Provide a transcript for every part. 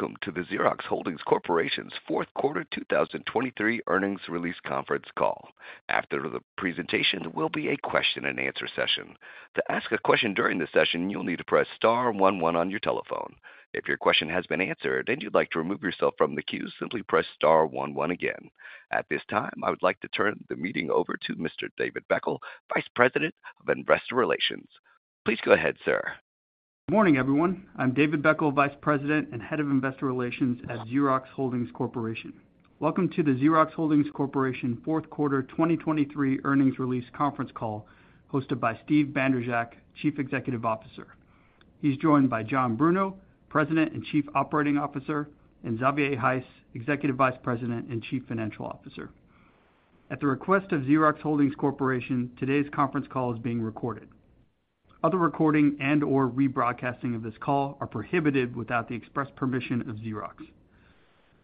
Welcome to the Xerox Holdings Corporation's 4Q 2023 earnings release conference call. After the presentation will be a question and answer session. To ask a question during the session, you'll need to press star one one on your telephone. If your question has been answered and you'd like to remove yourself from the queue, simply press star one one again. At this time, I would like to turn the meeting over to Mr. David Beckel, Vice President of Investor Relations. Please go ahead, sir. Good morning, everyone. I'm David Beckel, Vice President and Head of Investor Relations at Xerox Holdings Corporation. Welcome to the Xerox Holdings Corporation 4Q 2023 earnings release conference call, hosted by Steve Bandrowczak, Chief Executive Officer. He's joined by John Bruno, President and Chief Operating Officer, and Xavier Heiss, Executive Vice President and Chief Financial Officer. At the request of Xerox Holdings Corporation, today's conference call is being recorded. Other recording and/or rebroadcasting of this call are prohibited without the express permission of Xerox.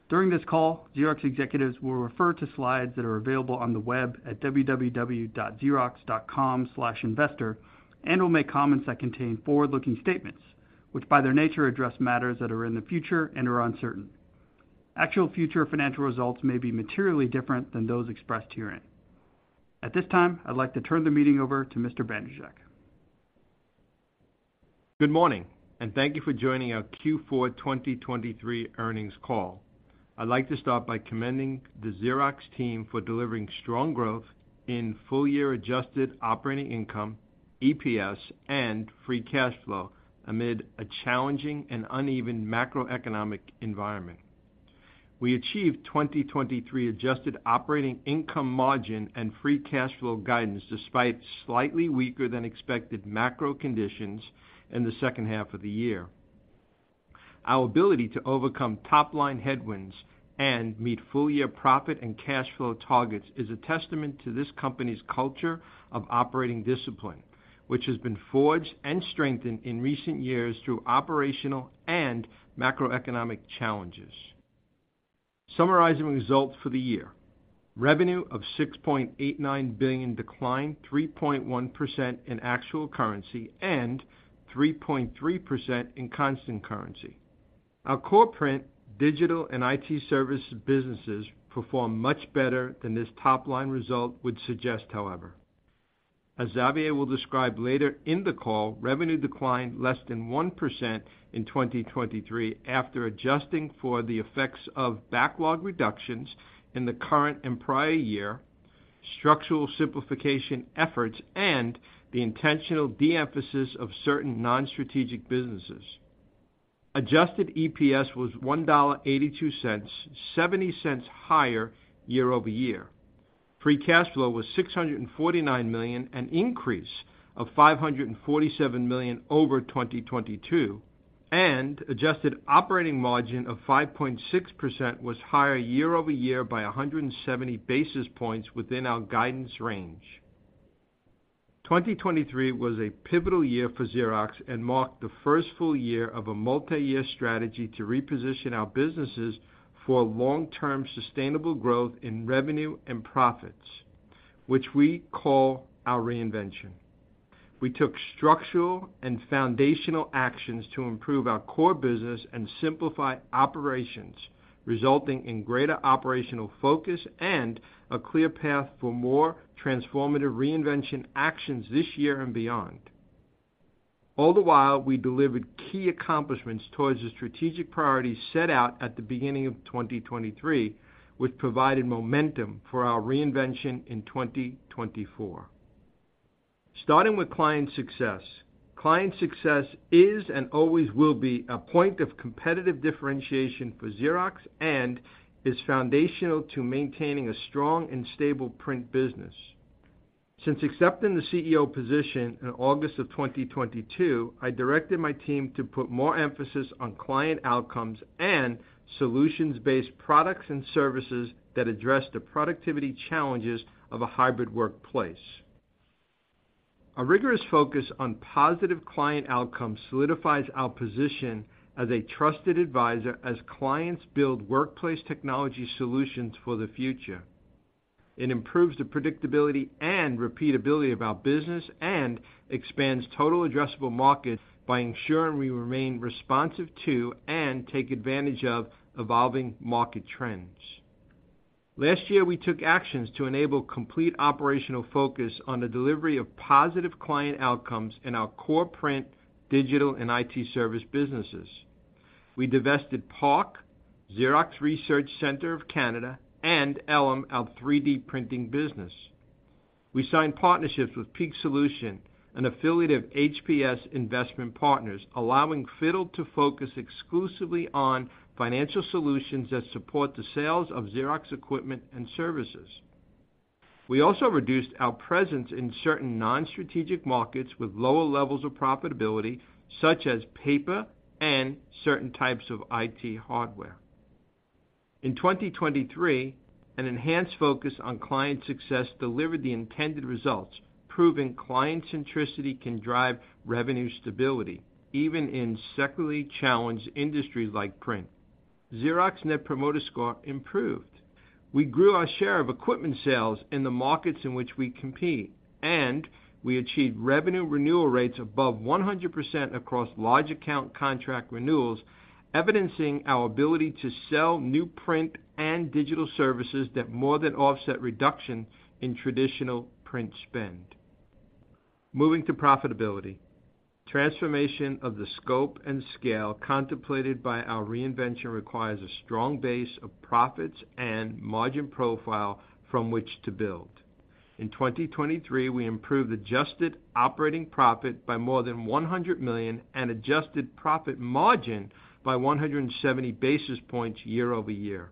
During this call, Xerox executives will refer to slides that are available on the web at www.xerox.com/investor, and will make comments that contain forward-looking statements, which by their nature, address matters that are in the future and are uncertain. Actual future financial results may be materially different than those expressed herein. At this time, I'd like to turn the meeting over to Mr. Bandrowczak. Good morning, and thank you for joining our Q4 2023 earnings call. I'd like to start by commending the Xerox team for delivering strong growth in full-year adjusted operating income, EPS, and free cash flow amid a challenging and uneven macroeconomic environment. We achieved 2023 adjusted operating income margin and free cash flow guidance, despite slightly weaker than expected macro conditions in the H2 of the year. Our ability to overcome top-line headwinds and meet full year profit and cash flow targets is a testament to this company's culture of operating discipline, which has been forged and strengthened in recent years through operational and macroeconomic challenges. Summarizing results for the year, revenue of $6.89 billion declined 3.1% in actual currency and 3.3% in constant currency. Our core print, digital, and IT services businesses performed much better than this top-line result would suggest, however. As Xavier will describe later in the call, revenue declined less than 1% in 2023 after adjusting for the effects of backlog reductions in the current and prior year, structural simplification efforts, and the intentional de-emphasis of certain non-strategic businesses. Adjusted EPS was $1.82, $0.70 higher year-over-year. Free cash flow was $649 million, an increase of $547 million over 2022, and adjusted operating margin of 5.6% was higher year-over-year by 170 basis points within our guidance range. 2023 was a pivotal year for Xerox and marked the first full year of a multi-year strategy to reposition our businesses for long-term sustainable growth in revenue and profits, which we call our reinvention. We took structural and foundational actions to improve our core business and simplify operations, resulting in greater operational focus and a clear path for more transformative reinvention actions this year and beyond. All the while, we delivered key accomplishments towards the strategic priorities set out at the beginning of 2023, which provided momentum for our reinvention in 2024. Starting with client success. Client success is, and always will be, a point of competitive differentiation for Xerox and is foundational to maintaining a strong and stable print business. Since accepting the CEO position in August 2022, I directed my team to put more emphasis on client outcomes and solutions-based products and services that address the productivity challenges of a hybrid workplace. A rigorous focus on positive client outcomes solidifies our position as a trusted advisor, as clients build workplace technology solutions for the future. It improves the predictability and repeatability of our business and expands total addressable markets by ensuring we remain responsive to and take advantage of evolving market trends. Last year, we took actions to enable complete operational focus on the delivery of positive client outcomes in our core print, digital, and IT service businesses. We divested PARC, Xerox Research Centre of Canada, and Elem, our 3D printing business. We signed partnerships with PEAC Solutions, an affiliate of HPS Investment Partners, allowing FITTLE to focus exclusively on financial solutions that support the sales of Xerox equipment and services. We also reduced our presence in certain non-strategic markets with lower levels of profitability, such as paper and certain types of IT hardware. In 2023, an enhanced focus on client success delivered the intended results, proving client centricity can drive revenue stability even in secularly challenged industries like print. Xerox Net Promoter Score improved. We grew our share of equipment sales in the markets in which we compete, and we achieved revenue renewal rates above 100% across large account contract renewals, evidencing our ability to sell new print and digital services that more than offset reduction in traditional print spend. Moving to profitability. Transformation of the scope and scale contemplated by our reinvention requires a strong base of profits and margin profile from which to build. In 2023, we improved adjusted operating profit by more than $100 million and adjusted profit margin by 170 basis points year-over-year.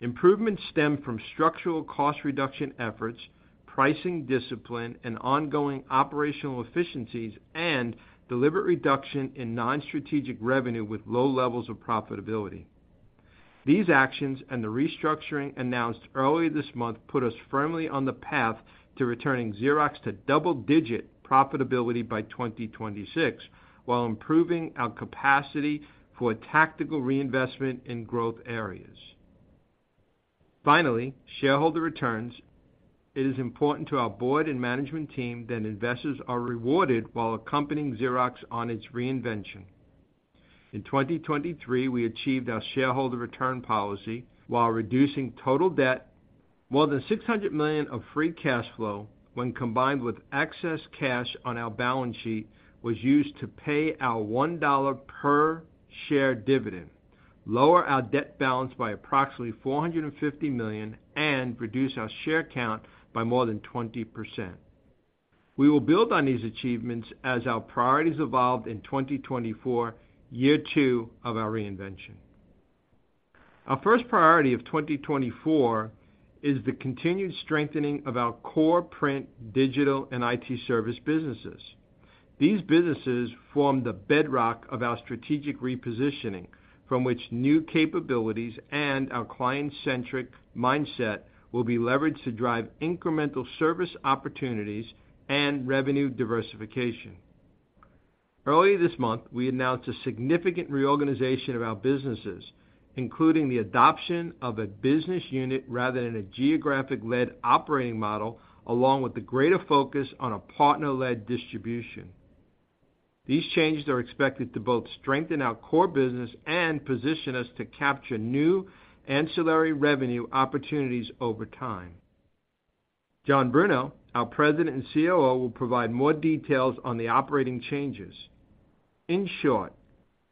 Improvements stemmed from structural cost reduction efforts, pricing discipline, and ongoing operational efficiencies, and deliberate reduction in non-strategic revenue with low levels of profitability. These actions and the restructuring announced earlier this month put us firmly on the path to returning Xerox to double-digit profitability by 2026, while improving our capacity for a tactical reinvention in growth areas. Finally, shareholder returns. It is important to our board and management team that investors are rewarded while accompanying Xerox on its reinvention. In 2023, we achieved our shareholder return policy while reducing total debt. More than $600 million of free cash flow, when combined with excess cash on our balance sheet, was used to pay our $1 per share dividend, lower our debt balance by approximately $450 million, and reduce our share count by more than 20%. We will build on these achievements as our priorities evolve in 2024, year two of our reinvention. Our first priority of 2024 is the continued strengthening of our core print, digital, and IT service businesses. These businesses form the bedrock of our strategic repositioning, from which new capabilities and our client-centric mindset will be leveraged to drive incremental service opportunities and revenue diversification. Earlier this month, we announced a significant reorganization of our businesses, including the adoption of a business unit rather than a geographic-led operating model, along with a greater focus on a partner-led distribution. These changes are expected to both strengthen our core business and position us to capture new ancillary revenue opportunities over time. John Bruno, our President and COO, will provide more details on the operating changes. In short,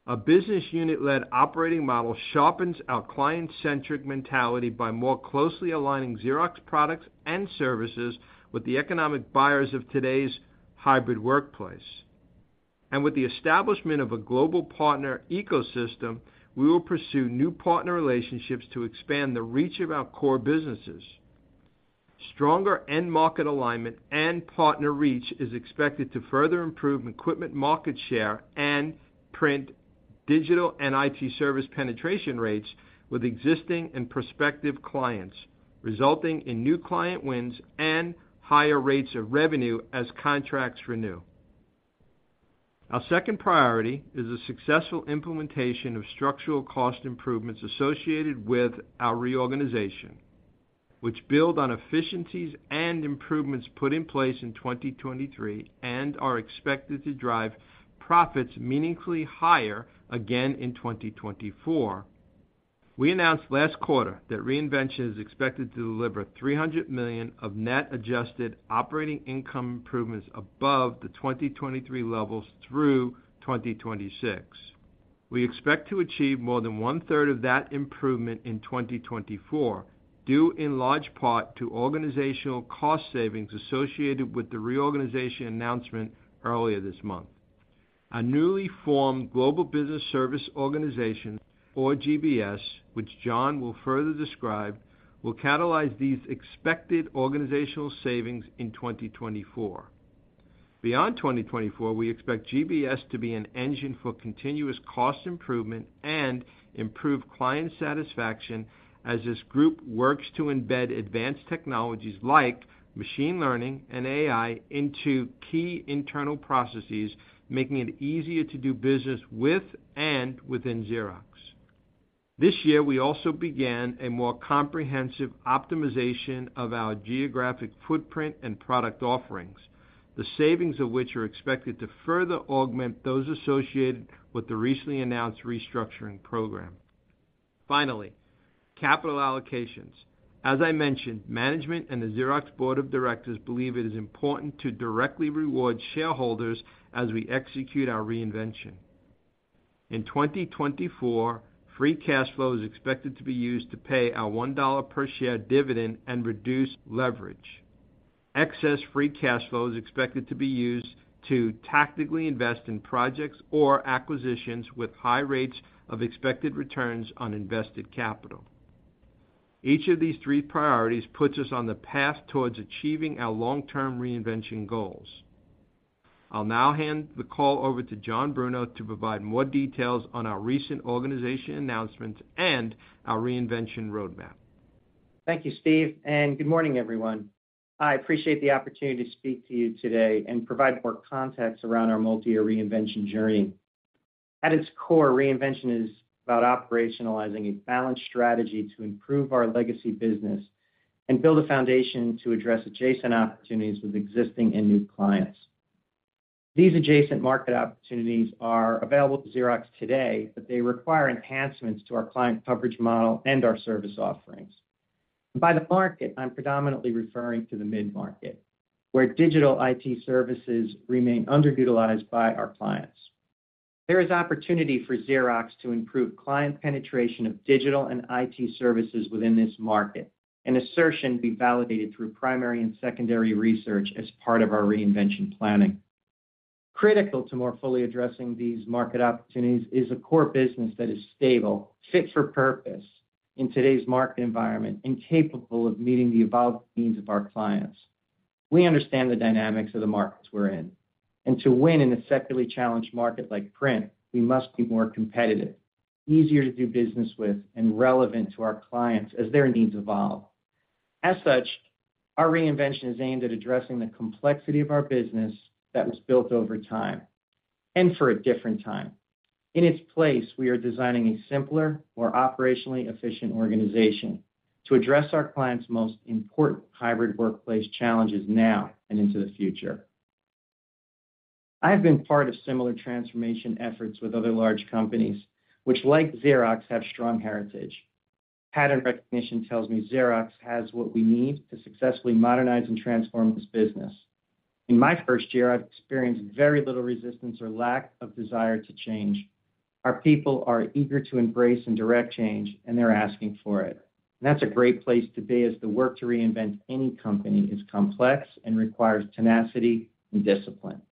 a business unit-led operating model sharpens our client-centric mentality by more closely aligning Xerox products and services with the economic buyers of today's hybrid workplace. With the establishment of a global partner ecosystem, we will pursue new partner relationships to expand the reach of our core businesses. Stronger end market alignment and partner reach is expected to further improve equipment market share and print, digital, and IT service penetration rates with existing and prospective clients, resulting in new client wins and higher rates of revenue as contracts renew. Our second priority is the successful implementation of structural cost improvements associated with our reorganization, which build on efficiencies and improvements put in place in 2023 and are expected to drive profits meaningfully higher again in 2024. We announced last quarter that reinvention is expected to deliver $300 million of net Adjusted Operating Income improvements above the 2023 levels through 2026. We expect to achieve more than one-third of that improvement in 2024, due in large part to organizational cost savings associated with the reorganization announcement earlier this month. A newly formed Global Business Services organization, or GBS, which John will further describe, will catalyze these expected organizational savings in 2024. Beyond 2024, we expect GBS to be an engine for continuous cost improvement and improve client satisfaction as this group works to embed advanced technologies like machine learning and AI into key internal processes, making it easier to do business with and within Xerox. This year, we also began a more comprehensive optimization of our geographic footprint and product offerings, the savings of which are expected to further augment those associated with the recently announced restructuring program. Finally, capital allocations. As I mentioned, management and the Xerox Board of Directors believe it is important to directly reward shareholders as we execute our reinvention. In 2024, free cash flow is expected to be used to pay our $1 per share dividend and reduce leverage. Excess free cash flow is expected to be used to tactically invest in projects or acquisitions with high rates of expected returns on invested capital. Each of these three priorities puts us on the path towards achieving our long-term reinvention goals. I'll now hand the call over to John Bruno to provide more details on our recent organization announcements and our reinvention roadmap. Thank you, Steve, and good morning, everyone. I appreciate the opportunity to speak to you today and provide more context around our multi-year reinvention journey.... At its core, reinvention is about operationalizing a balanced strategy to improve our legacy business and build a foundation to address adjacent opportunities with existing and new clients. These adjacent market opportunities are available to Xerox today, but they require enhancements to our client coverage model and our service offerings. By the market, I'm predominantly referring to the mid-market, where digital IT services remain underutilized by our clients. There is opportunity for Xerox to improve client penetration of digital and IT services within this market, an assertion to be validated through primary and secondary research as part of our reinvention planning. Critical to more fully addressing these market opportunities is a core business that is stable, fit for purpose in today's market environment, and capable of meeting the evolving needs of our clients. We understand the dynamics of the markets we're in, and to win in a secularly challenged market like print, we must be more competitive, easier to do business with, and relevant to our clients as their needs evolve. As such, our reinvention is aimed at addressing the complexity of our business that was built over time and for a different time. In its place, we are designing a simpler, more operationally efficient organization to address our clients' most important hybrid workplace challenges now and into the future. I've been part of similar transformation efforts with other large companies, which, like Xerox, have strong heritage. Pattern recognition tells me Xerox has what we need to successfully modernize and transform this business. In my first year, I've experienced very little resistance or lack of desire to change. Our people are eager to embrace and direct change, and they're asking for it. That's a great place to be, as the work to reinvent any company is complex and requires tenacity and discipline.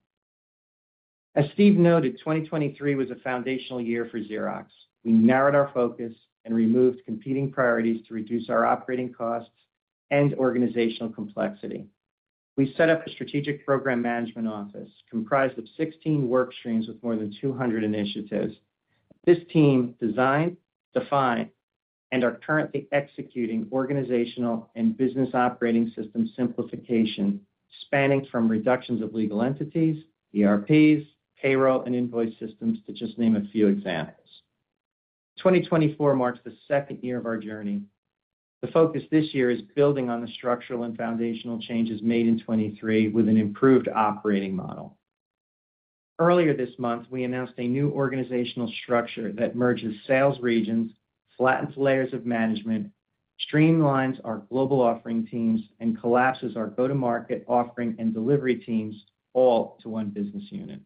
As Steve noted, 2023 was a foundational year for Xerox. We narrowed our focus and removed competing priorities to reduce our operating costs and organizational complexity. We set up a strategic program management office comprised of 16 work streams with more than 200 initiatives. This team designed, defined, and are currently executing organizational and business operating system simplification, spanning from reductions of legal entities, ERPs, payroll, and invoice systems, to just name a few examples. 2024 marks the second year of our journey. The focus this year is building on the structural and foundational changes made in 2023 with an improved operating model. Earlier this month, we announced a new organizational structure that merges sales regions, flattens layers of management, streamlines our global offering teams, and collapses our go-to-market offering and delivery teams, all to one business unit.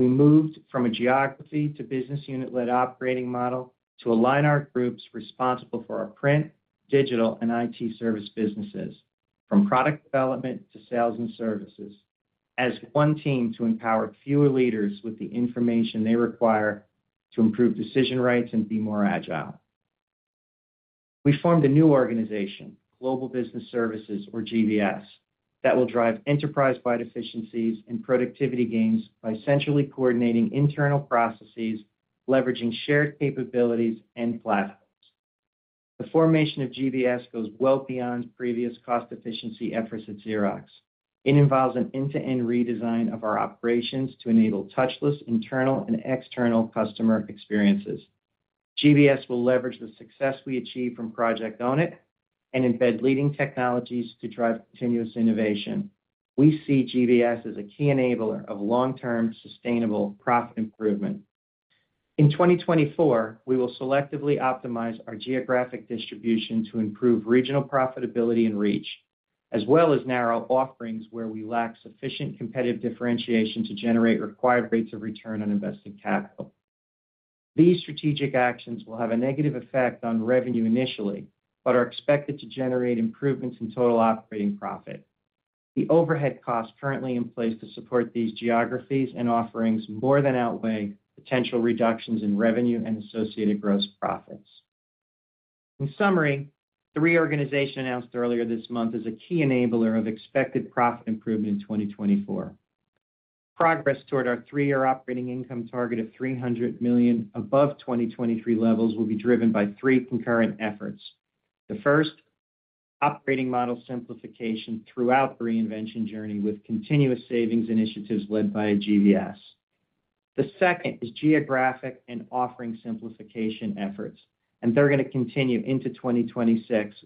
We moved from a geography to business unit-led operating model to align our groups responsible for our print, digital, and IT service businesses, from product development to sales and services, as one team to empower fewer leaders with the information they require to improve decision rights and be more agile. We formed a new organization, Global Business Services or GBS, that will drive enterprise-wide efficiencies and productivity gains by centrally coordinating internal processes, leveraging shared capabilities and platforms. The formation of GBS goes well beyond previous cost efficiency efforts at Xerox. It involves an end-to-end redesign of our operations to enable touchless, internal, and external customer experiences. GBS will leverage the success we achieve from Project Own It, and embed leading technologies to drive continuous innovation. We see GBS as a key enabler of long-term, sustainable profit improvement. In 2024, we will selectively optimize our geographic distribution to improve regional profitability and reach, as well as narrow offerings where we lack sufficient competitive differentiation to generate required rates of return on invested capital. These strategic actions will have a negative effect on revenue initially, but are expected to generate improvements in total operating profit. The overhead costs currently in place to support these geographies and offerings more than outweigh potential reductions in revenue and associated gross profits. In summary, the reorganization announced earlier this month is a key enabler of expected profit improvement in 2024. Progress toward our 3-year operating income target of $300 million above 2023 levels will be driven by three concurrent efforts. The first, operating model simplification throughout the reinvention journey, with continuous savings initiatives led by a GBS. The second is geographic and offering simplification efforts, and they're going to continue into 2026,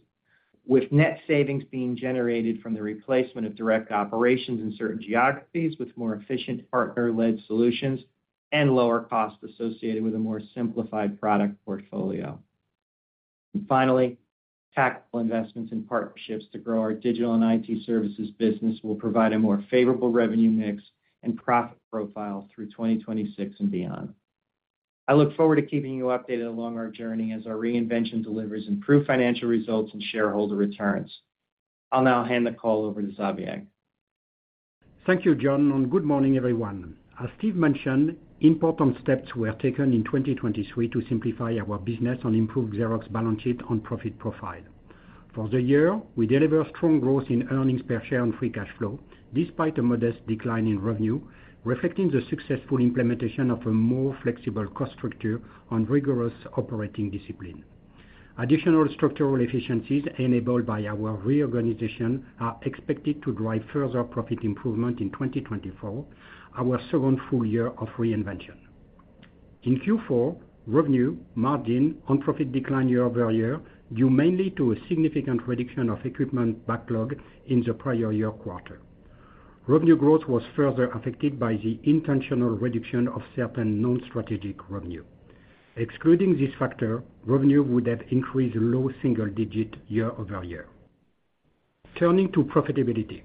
with net savings being generated from the replacement of direct operations in certain geographies, with more efficient partner-led solutions and lower costs associated with a more simplified product portfolio. And finally, tactical investments and partnerships to grow our digital and IT services business will provide a more favorable revenue mix and profit profile through 2026 and beyond. I look forward to keeping you updated along our journey as our reinvention delivers improved financial results and shareholder returns. I'll now hand the call over to Xavier. Thank you, John, and good morning, everyone. As Steve mentioned, important steps were taken in 2023 to simplify our business and improve Xerox's balance sheet and profit profile. For the year, we delivered strong growth in earnings per share and free cash flow, despite a modest decline in revenue, reflecting the successful implementation of a more flexible cost structure and rigorous operating discipline. Additional structural efficiencies enabled by our reorganization are expected to drive further profit improvement in 2024, our second full year of reinvention. In Q4, revenue, margin, and profit declined year-over-year, due mainly to a significant reduction of equipment backlog in the prior year quarter. Revenue growth was further affected by the intentional reduction of certain non-strategic revenue. Excluding this factor, revenue would have increased low single digit year-over-year. Turning to profitability.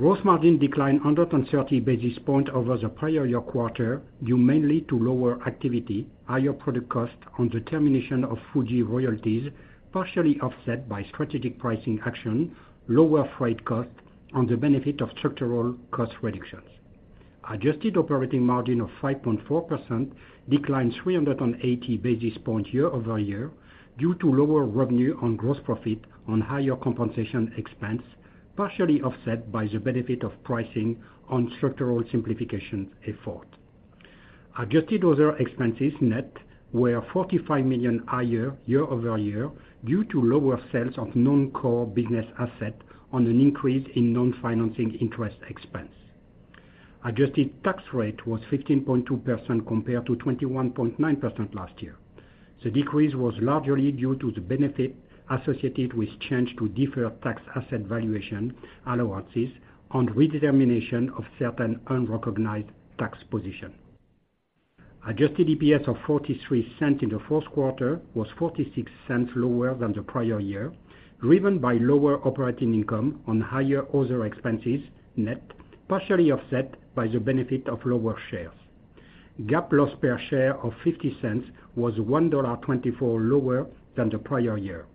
Gross margin declined 130 basis points over the prior year quarter, due mainly to lower activity, higher product costs on the termination of Fuji Royalties, partially offset by strategic pricing action, lower freight costs, and the benefit of structural cost reductions. Adjusted operating margin of 5.4% declined 380 basis points year-over-year, due to lower revenue and gross profit on higher compensation expense, partially offset by the benefit of pricing on structural simplification effort. Adjusted other expenses net were $45 million higher year-over-year, due to lower sales of non-core business asset on an increase in non-financing interest expense. Adjusted tax rate was 15.2%, compared to 21.9% last year. The decrease was largely due to the benefit associated with change to deferred tax asset valuation allowances and redetermination of certain unrecognized tax position. Adjusted EPS of $0.43 in the 4Q was $0.46 lower than the prior year, driven by lower operating income and higher other expenses net, partially offset by the benefit of lower shares. GAAP loss per share of $0.50 was $1.24 lower than the prior year.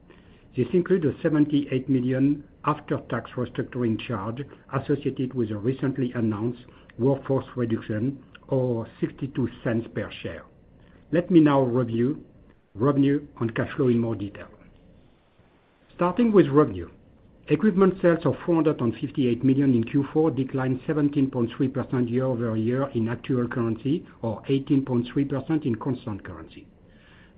This includes a $78 million after-tax restructuring charge associated with the recently announced workforce reduction, or $0.62 per share. Let me now review revenue and cash flow in more detail. Starting with revenue. Equipment sales of $458 million in Q4 declined 17.3% year-over-year in actual currency or 18.3% in constant currency.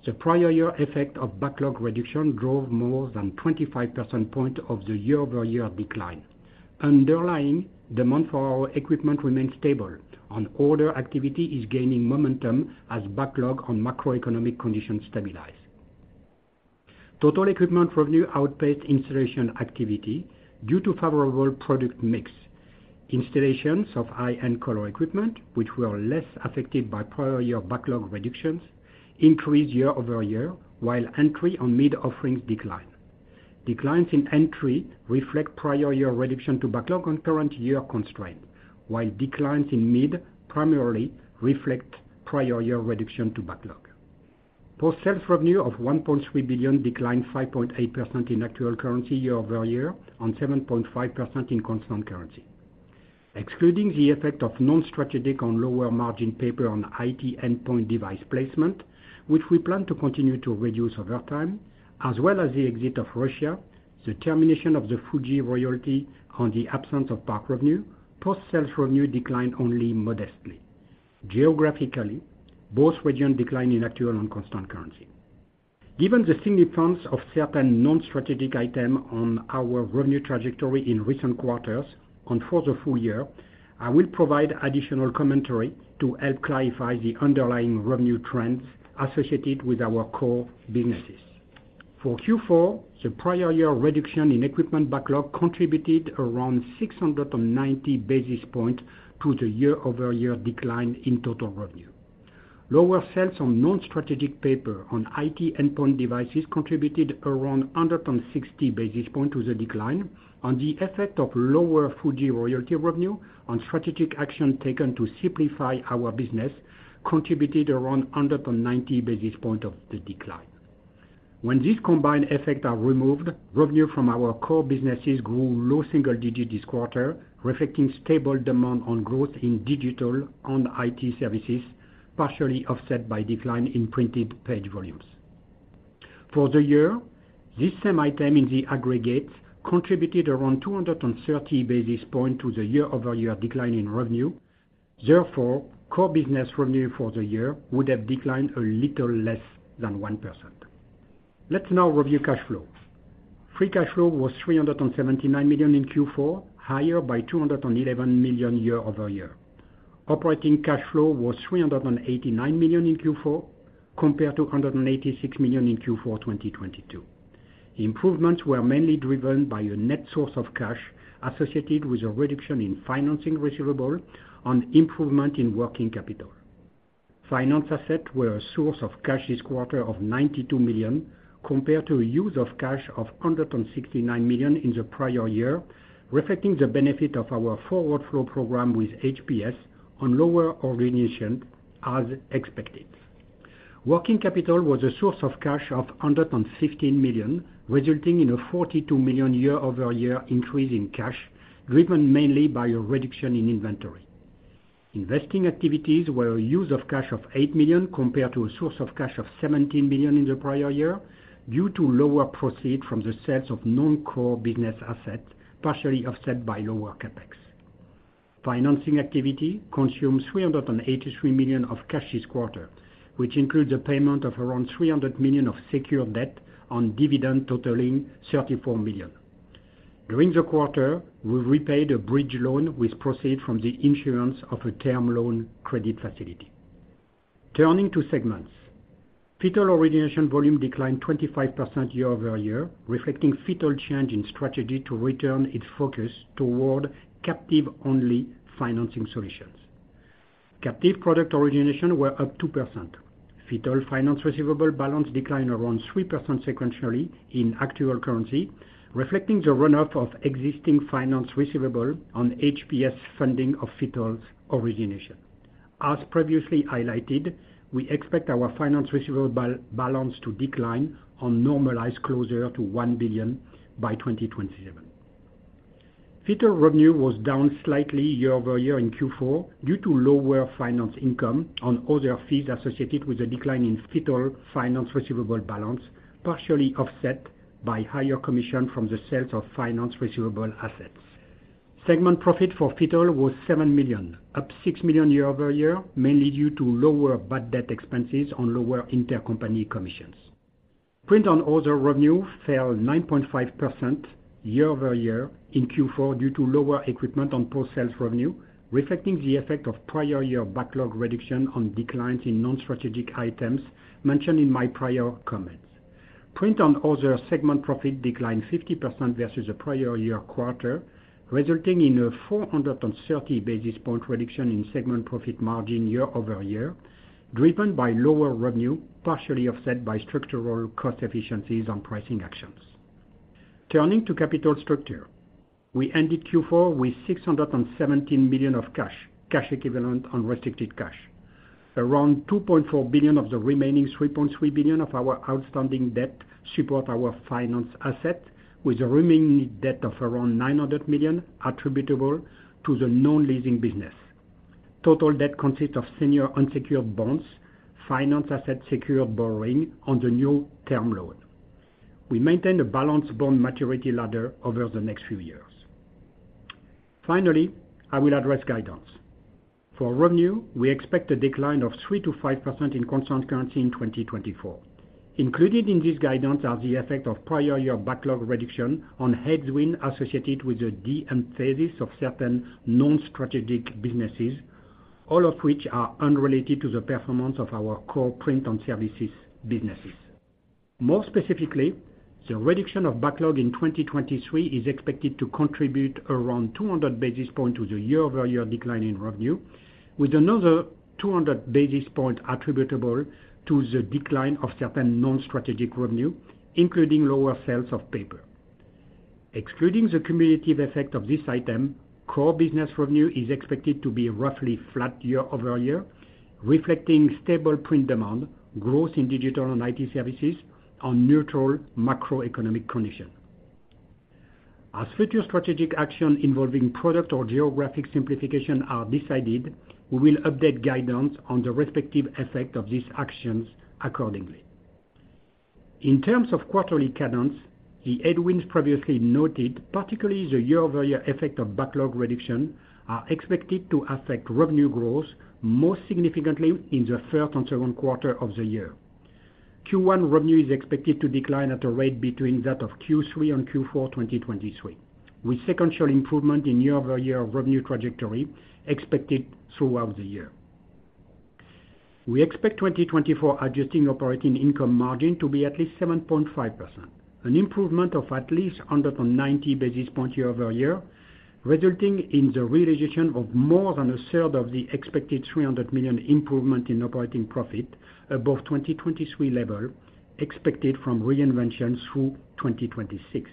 The prior year effect of backlog reduction drove more than 25 percentage points of the year-over-year decline. Underlying demand for our equipment remains stable, and order activity is gaining momentum as backlog on macroeconomic conditions stabilize. Total equipment revenue outpaced installation activity due to favorable product mix. Installations of high-end color equipment, which were less affected by prior year backlog reductions, increased year-over-year, while entry on mid offerings declined. Declines in entry reflect prior year reduction to backlog and current year constraint, while declines in mid primarily reflect prior year reduction to backlog. Post-sales revenue of $1.3 billion declined 5.8% in actual currency year-over-year, and 7.5% in constant currency. Excluding the effect of non-strategic and lower margin paper on IT endpoint device placement, which we plan to continue to reduce over time, as well as the exit of Russia, the termination of the Fuji Royalty, and the absence of PARC revenue, post-sales revenue declined only modestly. Geographically, both regions declined in actual and constant currency. Given the significance of certain non-strategic item on our revenue trajectory in recent quarters and for the full year, I will provide additional commentary to help clarify the underlying revenue trends associated with our core businesses. For Q4, the prior year reduction in equipment backlog contributed around 690 basis points to the year-over-year decline in total revenue. Lower sales on non-strategic paper on IT endpoint devices contributed around 160 basis points to the decline, and the effect of lower Fuji Royalty revenue on strategic action taken to simplify our business contributed around 190 basis points of the decline. When these combined effects are removed, revenue from our core businesses grew low single digits this quarter, reflecting stable demand on growth in digital and IT services, partially offset by decline in printed page volumes. For the year, this same item in the aggregate contributed around 230 basis points to the year-over-year decline in revenue. Therefore, core business revenue for the year would have declined a little less than 1%. Let's now review cash flow. Free cash flow was $379 million in Q4, higher by $211 million year-over-year. Operating cash flow was $389 million in Q4, compared to $186 million in Q4 2022. Improvements were mainly driven by a net source of cash associated with a reduction in financing receivable and improvement in working capital. Finance assets were a source of cash this quarter of $92 million, compared to a use of cash of $169 million in the prior year, reflecting the benefit of our forward flow program with HPS on lower organization as expected. Working capital was a source of cash of $115 million, resulting in a $42 million year-over-year increase in cash, driven mainly by a reduction in inventory. Investing activities were a use of cash of $8 million, compared to a source of cash of $17 million in the prior year, due to lower proceeds from the sales of non-core business assets, partially offset by lower CapEx. Financing activity consumed $383 million of cash this quarter, which includes a payment of around $300 million of secured debt and dividends totaling $34 million. During the quarter, we've repaid a bridge loan with proceeds from the issuance of a term loan credit facility. Turning to segments. Fittle origination volume declined 25% year-over-year, reflecting Fittle change in strategy to return its focus toward captive-only financing solutions. Captive product origination were up 2%. FITTLE financing receivable balance declined around 3% sequentially in actual currency, reflecting the run-off of existing financing receivable on HPS funding of FITTLE's origination. As previously highlighted, we expect our financing receivable balance to decline on normalized closure to $1 billion by 2027. FITTLE revenue was down slightly year-over-year in Q4 due to lower financing income on other fees associated with a decline in FITTLE financing receivable balance, partially offset by higher commission from the sales of financing receivable assets. Segment profit for FITTLE was $7 million, up $6 million year-over-year, mainly due to lower bad debt expenses on lower intercompany commissions. Print and other revenue fell 9.5% year-over-year in Q4 due to lower equipment and post-sales revenue, reflecting the effect of prior year backlog reduction on declines in non-strategic items mentioned in my prior comments. Print and other segment profit declined 50% versus the prior year quarter, resulting in a 430 basis point reduction in segment profit margin year-over-year, driven by lower revenue, partially offset by structural cost efficiencies and pricing actions. Turning to capital structure. We ended Q4 with $617 million of cash, cash equivalent, unrestricted cash. Around $2.4 billion of the remaining $3.3 billion of our outstanding debt support our finance asset, with remaining debt of around $900 million attributable to the non-leasing business. Total debt consists of senior unsecured bonds, finance asset secured borrowing on the new term loan. We maintain a balanced bond maturity ladder over the next few years. Finally, I will address guidance. For revenue, we expect a decline of 3%-5% in constant currency in 2024. Included in this guidance are the effect of prior year backlog reduction on headwinds associated with the de-emphasis of certain non-strategic businesses, all of which are unrelated to the performance of our core print and services businesses. More specifically, the reduction of backlog in 2023 is expected to contribute around 200 basis points to the year-over-year decline in revenue, with another 200 basis points attributable to the decline of certain non-strategic revenue, including lower sales of paper. Excluding the cumulative effect of this item, core business revenue is expected to be roughly flat year-over-year, reflecting stable print demand, growth in digital and IT services on neutral macroeconomic conditions. As future strategic action involving product or geographic simplification are decided, we will update guidance on the respective effect of these actions accordingly. In terms of quarterly cadence, the headwinds previously noted, particularly the year-over-year effect of backlog reduction, are expected to affect revenue growth most significantly in the third and 2Q of the year. Q1 revenue is expected to decline at a rate between that of Q3 and Q4 2023, with sequential improvement in year-over-year revenue trajectory expected throughout the year. We expect 2024 adjusting operating income margin to be at least 7.5%, an improvement of at least 190 basis points year-over-year, resulting in the realization of more than a third of the expected $300 million improvement in operating profit above 2023 level expected from reinventions through 2026.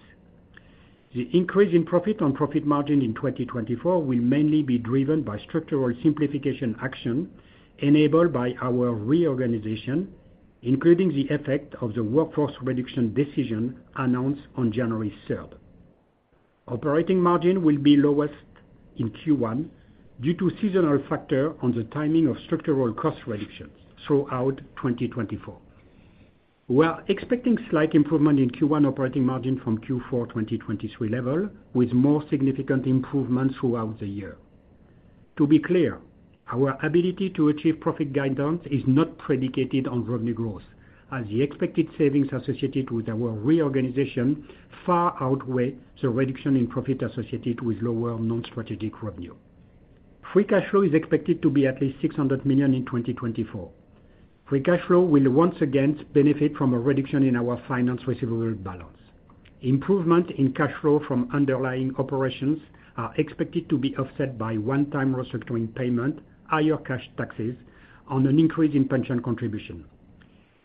The increase in profit on profit margin in 2024 will mainly be driven by structural simplification action enabled by our reorganization, including the effect of the workforce reduction decision announced on January 3. Operating margin will be lowest in Q1 due to seasonal factor on the timing of structural cost reductions throughout 2024. We are expecting slight improvement in Q1 operating margin from Q4 2023 level, with more significant improvements throughout the year. To be clear, our ability to achieve profit guidance is not predicated on revenue growth, as the expected savings associated with our reorganization far outweigh the reduction in profit associated with lower non-strategic revenue. Free cash flow is expected to be at least $600 million in 2024. Free cash flow will once again benefit from a reduction in our finance receivable balance. Improvement in cash flow from underlying operations are expected to be offset by one-time restructuring payment, higher cash taxes, and an increase in pension contribution.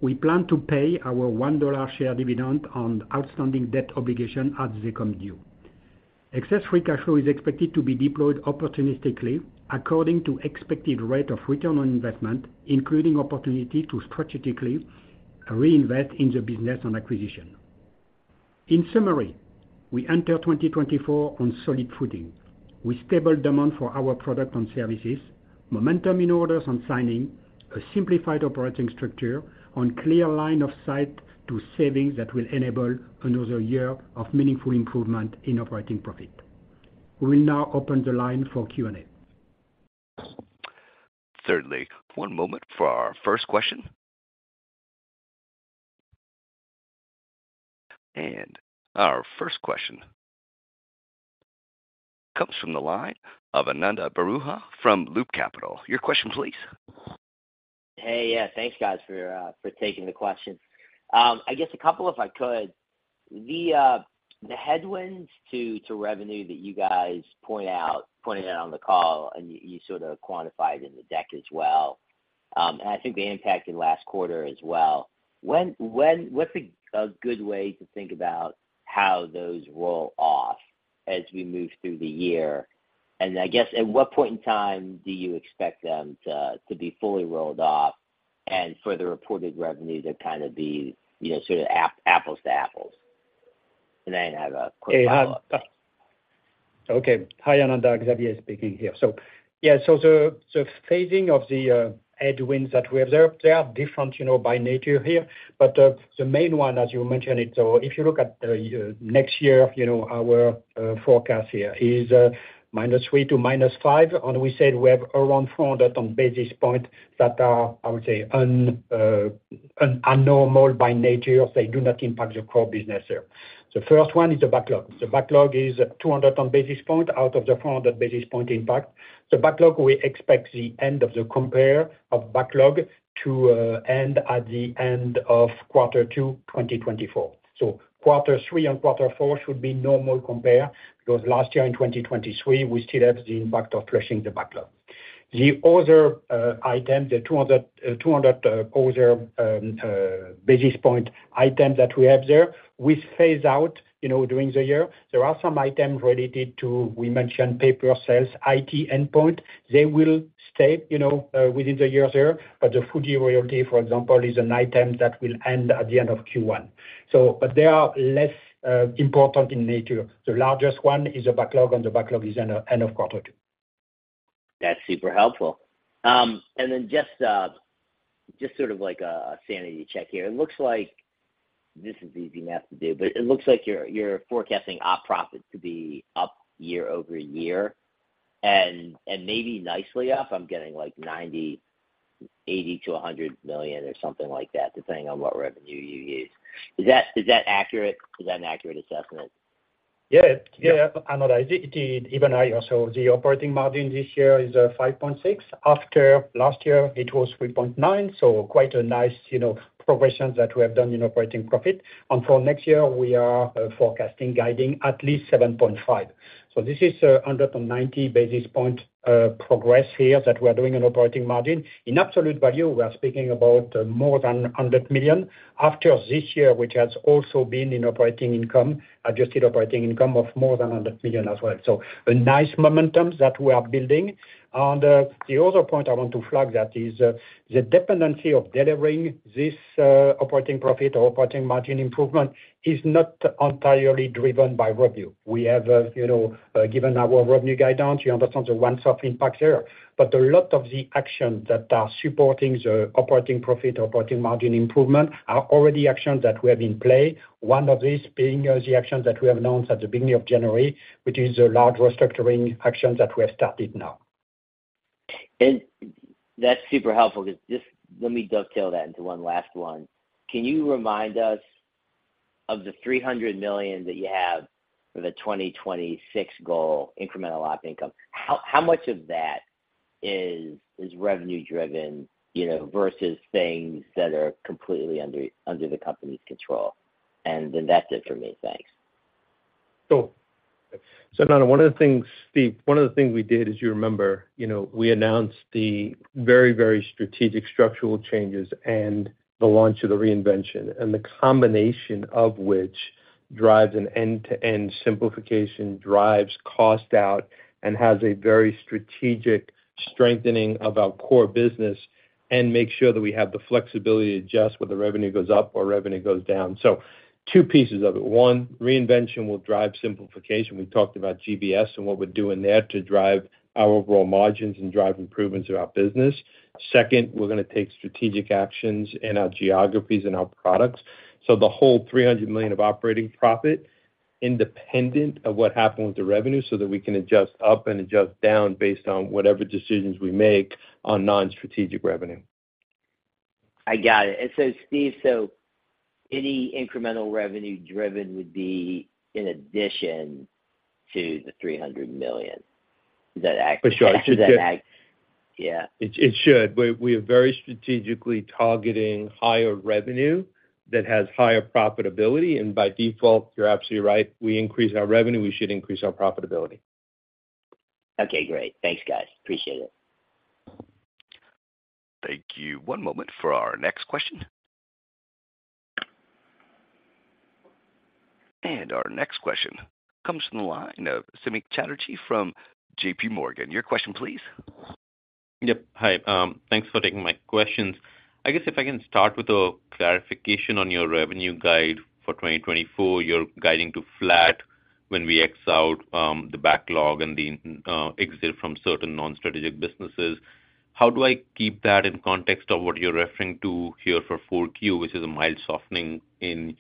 We plan to pay our $1 share dividend on outstanding debt obligation as they come due. Excess free cash flow is expected to be deployed opportunistically according to expected rate of return on investment, including opportunity to strategically reinvest in the business on acquisition. In summary, we enter 2024 on solid footing, with stable demand for our products and services.... momentum in orders and signing, a simplified operating structure on clear line of sight to savings that will enable another year of meaningful improvement in operating profit. We will now open the line for Q&A. Certainly. One moment for our first question. Our first question comes from the line of Ananda Baruah from Loop Capital. Your question, please. Hey, yeah, thanks guys for taking the question. I guess a couple, if I could. The headwinds to revenue that you guys pointed out on the call, and you sort of quantified in the deck as well, and I think the impact in last quarter as well. When what's a good way to think about how those roll off as we move through the year? And I guess, at what point in time do you expect them to be fully rolled off and for the reported revenue to kind of be, you know, sort of apples to apples? And I have a quick follow-up. Okay. Hi, Ananda, Xavier speaking here. So, yeah, so the phasing of the headwinds that we observed, they are different, you know, by nature here, but the main one, as you mentioned it, so if you look at next year, you know, our forecast here is -3% to -5%, and we said we have around 400 basis points that are, I would say, abnormal by nature. They do not impact the core business here. The first one is the backlog. The backlog is 200 basis points out of the 400 basis points impact. The backlog, we expect the end of the compare of backlog to end at the end of quarter two, 2024. So quarter three and quarter four should be normal compare, because last year, in 2023, we still have the impact of crushing the backlog. The other item, the 200 other basis point items that we have there, we phase out, you know, during the year. There are some items related to, we mentioned, paper sales, IT endpoint. They will stay, you know, within the year there, but the Fuji Royalty, for example, is an item that will end at the end of Q1. So, but they are less important in nature. The largest one is the backlog, and the backlog is end of quarter two. That's super helpful. And then just just sort of like a sanity check here. It looks like this is easy math to do, but it looks like you're forecasting op profits to be up year over year and maybe nicely up. I'm getting, like, $80 million-$100 million or something like that, depending on what revenue you use. Is that accurate? Is that an accurate assessment? Yeah. Yeah, Ananda, it is even higher. So the operating margin this year is 5.6%. After last year, it was 3.9%, so quite a nice, you know, progression that we have done in operating profit. And for next year, we are forecasting, guiding at least 7.5%. So this is a 190 basis point progress here that we are doing on operating margin. In absolute value, we are speaking about more than $100 million after this year, which has also been in operating income, adjusted operating income of more than $100 million as well. So a nice momentum that we are building. And the other point I want to flag that is the dependency of delivering this operating profit or operating margin improvement is not entirely driven by revenue. We have, you know, given our revenue guidance, you understand the one-off impact there. But a lot of the actions that are supporting the operating profit or operating margin improvement are already actions that we have in play. One of these being, the actions that we have announced at the beginning of January, which is a large restructuring action that we have started now. That's super helpful, 'cause just let me dovetail that into one last one. Can you remind us of the $300 million that you have for the 2026 goal, incremental operating income, how much of that is revenue driven, you know, versus things that are completely under the company's control? Then that's it for me. Thanks. Cool. So Ananda, one of the things, Steve, one of the things we did is, you remember, you know, we announced the very, very strategic structural changes and the launch of the reinvention, and the combination of which drives an end-to-end simplification, drives cost out, and has a very strategic strengthening of our core business and makes sure that we have the flexibility to adjust whether revenue goes up or revenue goes down. So two pieces of it. One, reinvention will drive simplification. We talked about GBS and what we're doing there to drive our overall margins and drive improvements in our business. Second, we're gonna take strategic actions in our geographies and our products, so the whole $300 million of operating profit, independent of what happened with the revenue, so that we can adjust up and adjust down based on whatever decisions we make on non-strategic revenue. I got it. And so, Steve, so any incremental revenue driven would be in addition to the $300 million, does that accurate? For sure. Yeah. It should. We are very strategically targeting higher revenue that has higher profitability, and by default, you're absolutely right, we increase our revenue, we should increase our profitability. Okay, great. Thanks, guys. Appreciate it. Thank you. One moment for our next question. Our next question comes from the line of Samik Chatterjee from JPMorgan. Your question please. Yep. Hi, thanks for taking my questions. I guess if I can start with a clarification on your revenue guide for 2024, you're guiding to flat.... when we x out, the backlog and the, exit from certain non-strategic businesses, how do I keep that in context of what you're referring to here for 4Q, which is a mild softening in,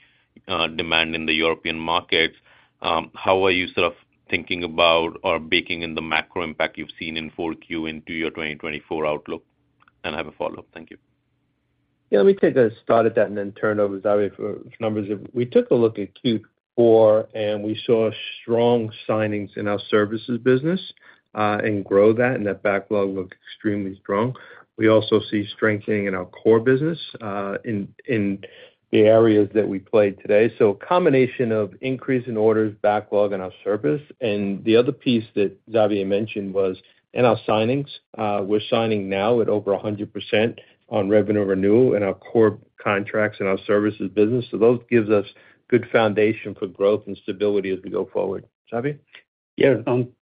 demand in the European markets? How are you sort of thinking about or baking in the macro impact you've seen in 4Q into your 2024 outlook? And I have a follow-up. Thank you. Yeah, let me take a start at that and then turn over to Xavier for numbers. We took a look at Q4, and we saw strong signings in our services business, and grow that, and that backlog looked extremely strong. We also see strengthening in our core business, in the areas that we play today. So a combination of increase in orders, backlog, and our service, and the other piece that Xavier mentioned was in our signings. We're signing now at over 100% on revenue renewal in our core contracts and our services business, so those gives us good foundation for growth and stability as we go forward. Xavier? Yeah,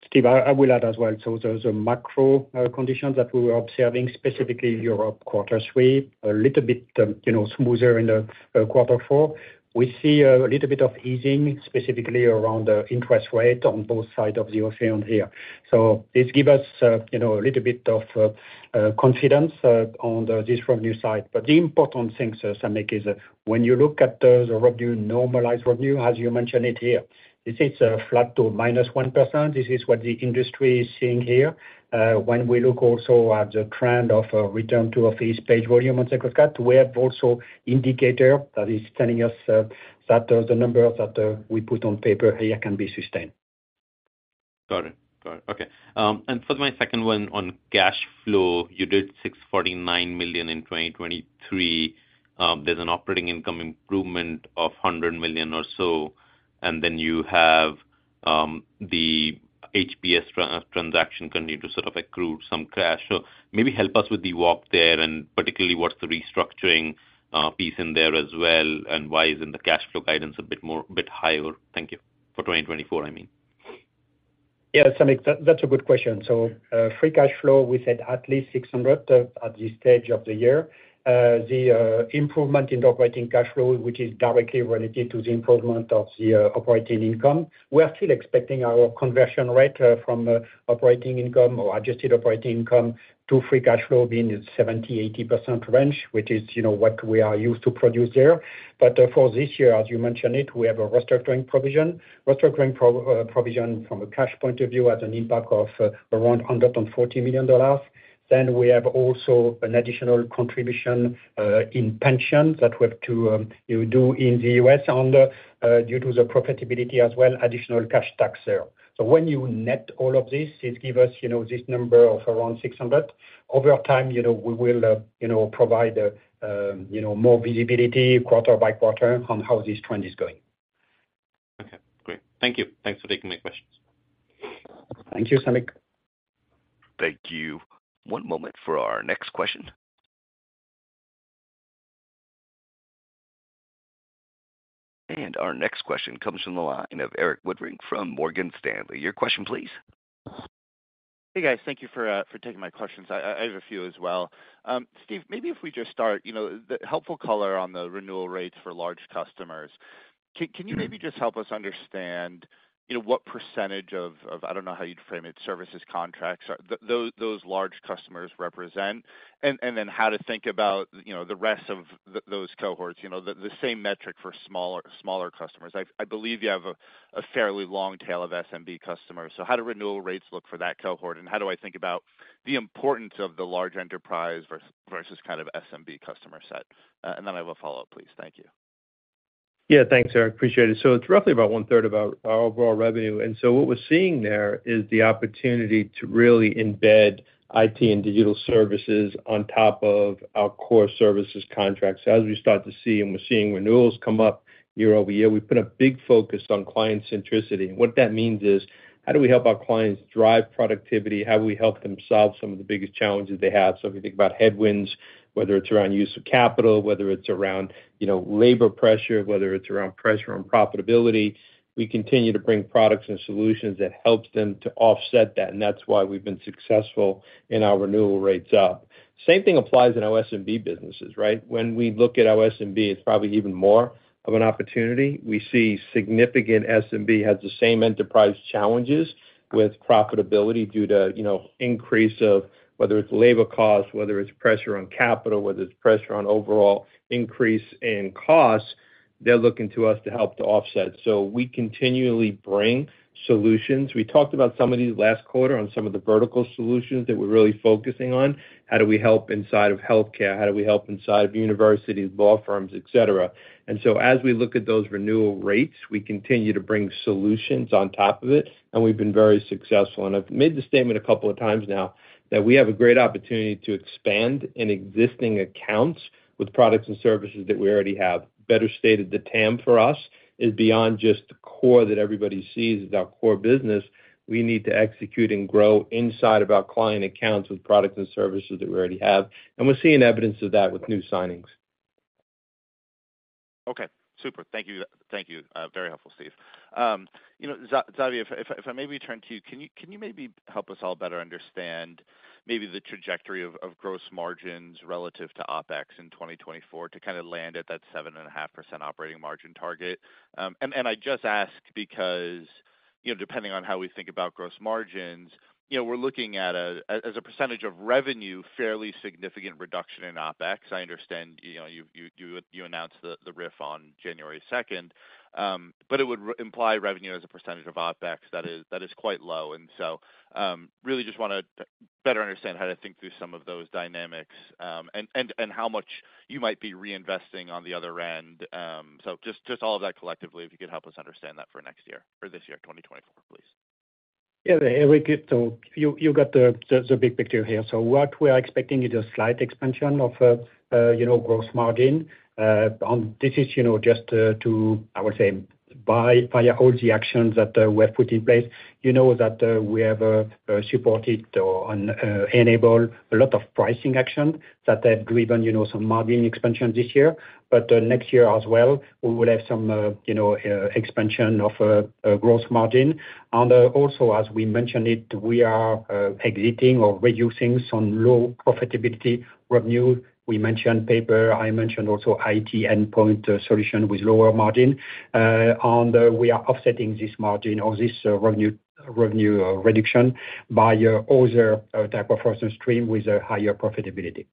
Steve, I will add as well. So there's a macro conditions that we were observing, specifically Europe, quarter three. A little bit, you know, smoother in the quarter four. We see a little bit of easing, specifically around the interest rate on both sides of the ocean here. So this give us, you know, a little bit of confidence on this revenue side. But the important thing, Samik, is when you look at the revenue, normalized revenue, as you mentioned it here, this is a flat to -1%. This is what the industry is seeing here. When we look also at the trend of return to office page volume on Swipe Card, we have also indicator that is telling us that the numbers that we put on paper here can be sustained. Got it. Got it. Okay. And for my second one, on cash flow, you did $649 million in 2023. There's an operating income improvement of $100 million or so, and then you have the HPS transaction continue to sort of accrue some cash. So maybe help us with the walk there, and particularly, what's the restructuring piece in there as well, and why isn't the cash flow guidance a bit more, a bit higher? Thank you. For 2024, I mean. Yeah, Samik, that's a good question. So, free cash flow, we said at least 600 at this stage of the year. The improvement in the operating cash flow, which is directly related to the improvement of the operating income, we are still expecting our conversion rate from operating income or adjusted operating income to free cash flow being 70%-80% range, which is, you know, what we are used to produce there. But, for this year, as you mentioned it, we have a restructuring provision. Restructuring provision from a cash point of view has an impact of around $140 million. Then we have also an additional contribution in pension that we have to, you know, do in the U.S. under due to the profitability as well, additional cash tax there. So when you net all of this, it give us, you know, this number of around 600. Over time, you know, we will, you know, provide, you know, more visibility quarter by quarter on how this trend is going. Okay, great. Thank you. Thanks for taking my questions. Thank you, Samik. Thank you. One moment for our next question. Our next question comes from the line of Erik Woodring from Morgan Stanley. Your question please. Hey, guys. Thank you for taking my questions. I have a few as well. Steve, maybe if we just start, you know, the helpful color on the renewal rates for large customers. Can you maybe just help us understand, you know, what percentage of, I don't know how you'd frame it, services, contracts, are those large customers represent? And then how to think about, you know, the rest of those cohorts, you know, the same metric for smaller customers. I believe you have a fairly long tail of SMB customers, so how do renewal rates look for that cohort, and how do I think about the importance of the large enterprise versus kind of SMB customer set? And then I have a follow-up, please. Thank you. Yeah. Thanks, Erik. Appreciate it. So it's roughly about one third of our overall revenue, and so what we're seeing there is the opportunity to really embed IT and digital services on top of our core services contracts. As we start to see, and we're seeing renewals come up year-over-year, we've put a big focus on client centricity. And what that means is, how do we help our clients drive productivity? How do we help them solve some of the biggest challenges they have? So if you think about headwinds, whether it's around use of capital, whether it's around, you know, labor pressure, whether it's around pressure on profitability, we continue to bring products and solutions that helps them to offset that, and that's why we've been successful in our renewal rates up. Same thing applies in our SMB businesses, right? When we look at our SMB, it's probably even more of an opportunity. We see significant SMB has the same enterprise challenges with profitability due to, you know, increase of whether it's labor costs, whether it's pressure on capital, whether it's pressure on overall increase in costs, they're looking to us to help to offset, so we continually bring solutions. We talked about some of these last quarter on some of the vertical solutions that we're really focusing on. How do we help inside of healthcare? How do we help inside of universities, law firms, et cetera? And so as we look at those renewal rates, we continue to bring solutions on top of it, and we've been very successful. And I've made the statement a couple of times now that we have a great opportunity to expand in existing accounts with products and services that we already have. Better stated, the TAM for us is beyond just the core that everybody sees as our core business. We need to execute and grow inside of our client accounts with products and services that we already have, and we're seeing evidence of that with new signings. Okay, super. Thank you. Thank you. Very helpful, Steve. You know, Xavier, if I may return to you, can you maybe help us all better understand the trajectory of gross margins relative to OpEx in 2024 to kind of land at that 7.5% operating margin target? And I just ask because you know, depending on how we think about gross margins, you know, we're looking at as a percentage of revenue, fairly significant reduction in OpEx. I understand, you know, you announced the RIF on January 2, but it would imply revenue as a percentage of OpEx that is quite low. And so, really just wanna better understand how to think through some of those dynamics, and how much you might be reinvesting on the other end. So just all of that collectively, if you could help us understand that for next year or this year, 2024, please. Yeah, Erik, so you got the big picture here. So what we are expecting is a slight expansion of, you know, gross margin. On this is, you know, just to, I would say, by all the actions that were put in place, you know, that we have supported or and enabled a lot of pricing action that have driven, you know, some margin expansion this year. But next year as well, we will have some, you know, expansion of a gross margin. And also, as we mentioned it, we are exiting or reducing some low profitability revenue. We mentioned paper, I mentioned also IT endpoint solution with lower margin. And we are offsetting this margin or this revenue, revenue, reduction by other type of revenue stream with a higher profitability.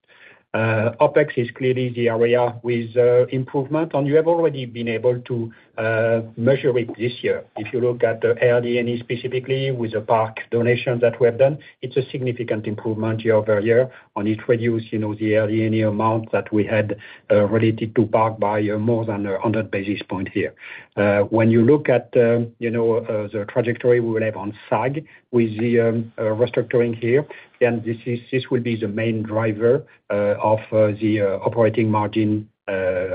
OpEx is clearly the area with improvement, and you have already been able to measure it this year. If you look at the RD&E, specifically with the PARC donations that we have done, it's a significant improvement year over year, and it reduced, you know, the RD&E amount that we had related to PARC by more than 100 basis points here. When you look at the, you know, the trajectory we will have on SAG with the restructuring here, then this is- this will be the main driver of the operating margin,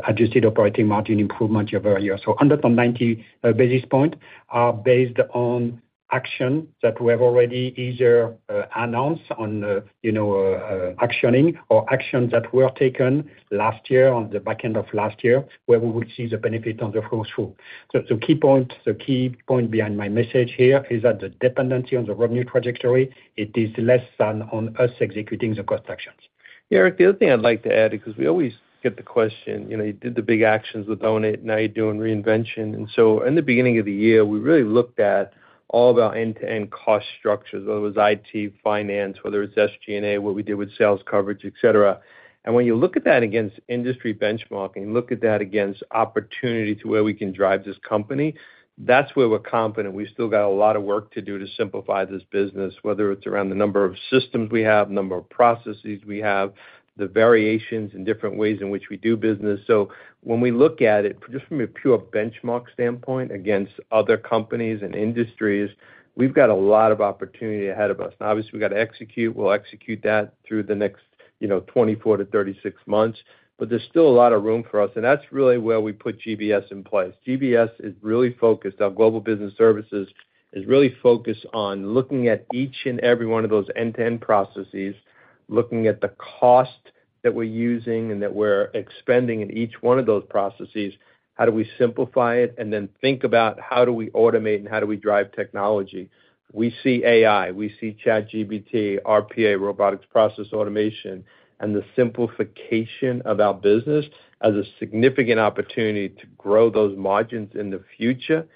adjusted operating margin improvement year over year. So under the 90 basis point are based on action that we have already either announced on, you know, actioning or actions that were taken last year, on the back end of last year, where we will see the benefit on the close through. So, so key point, the key point behind my message here is that the dependency on the revenue trajectory, it is less than on us executing the cost actions. Yeah, Erik, the other thing I'd like to add, because we always get the question, you know, you did the big actions with Own It, now you're doing reinvention. And so in the beginning of the year, we really looked at all of our end-to-end cost structures, whether it was IT, finance, whether it's SG&A, what we did with sales coverage, et cetera. And when you look at that against industry benchmarking, look at that against opportunity to where we can drive this company, that's where we're confident. We've still got a lot of work to do to simplify this business, whether it's around the number of systems we have, number of processes we have, the variations and different ways in which we do business. So when we look at it just from a pure benchmark standpoint against other companies and industries, we've got a lot of opportunity ahead of us. Now, obviously, we've got to execute. We'll execute that through the next, you know, 24-36 months, but there's still a lot of room for us, and that's really where we put GBS in place. GBS is really focused on Global Business Services, is really focused on looking at each and every one of those end-to-end processes, looking at the cost that we're using and that we're expending in each one of those processes. How do we simplify it? And then think about how do we automate and how do we drive technology. We see AI, we see ChatGPT, RPA, Robotic Process Automation, and the simplification of our business as a significant opportunity to grow those margins in the future,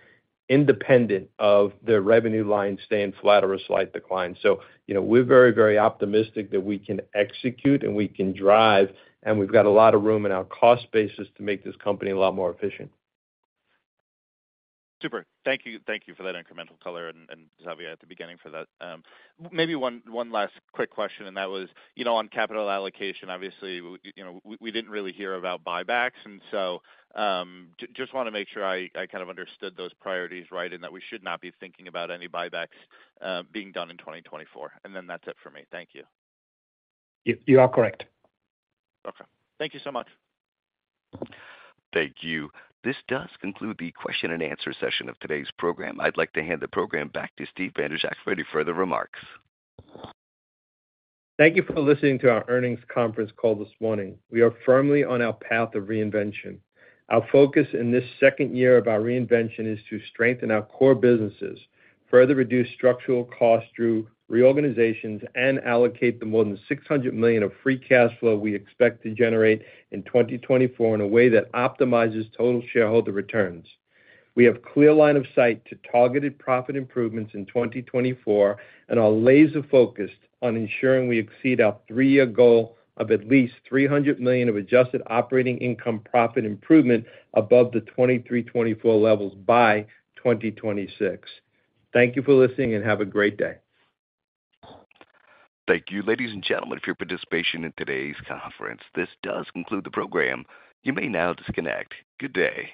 independent of the revenue line staying flat or a slight decline. So, you know, we're very, very optimistic that we can execute and we can drive, and we've got a lot of room in our cost basis to make this company a lot more efficient. Super. Thank you. Thank you for that incremental color and, and Xavier, at the beginning for that. Maybe one, one last quick question, and that was, you know, on capital allocation, obviously, you know, we, we didn't really hear about buybacks, and so, just wanna make sure I, I kind of understood those priorities right, and that we should not be thinking about any buybacks being done in 2024. And then that's it for me. Thank you. You are correct. Okay. Thank you so much. Thank you. This does conclude the question and answer session of today's program. I'd like to hand the program back to Steve Bandrowczak for any further remarks. Thank you for listening to our earnings conference call this morning. We are firmly on our path of reinvention. Our focus in this second year of our reinvention is to strengthen our core businesses, further reduce structural costs through reorganizations, and allocate the more than $600 million of free cash flow we expect to generate in 2024 in a way that optimizes total shareholder returns. We have clear line of sight to targeted profit improvements in 2024, and are laser focused on ensuring we exceed our 3-year goal of at least $300 million of adjusted operating income profit improvement above the 2023/2024 levels by 2026. Thank you for listening, and have a great day. Thank you, ladies and gentlemen, for your participation in today's conference. This does conclude the program. You may now disconnect. Good day!